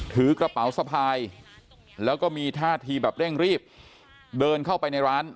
ถือกระเป๋าสะพายแล้วก็มีท่าทีแบบเร่งรีบเดินเข้าไปในร้าน